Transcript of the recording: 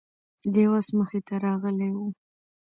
د یو آس مخې ته راغلی و،